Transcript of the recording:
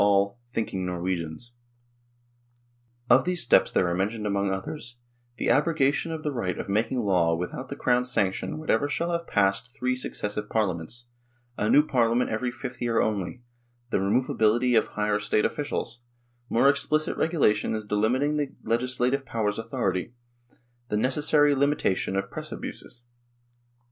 all " thinking Norwegians" Of these steps there are mentioned among others : the abrogation of the right of making law without the Crown's sanction whatever shall have passed three successive parliaments ; a new parliament every fifth year only ; the removability of higher state officials ; more explicit regulations delimiting the legislative power's authority ; the necessary limitation of Press abuses.